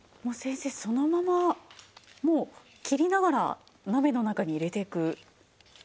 もう先生そのままもう切りながら鍋の中に入れていく。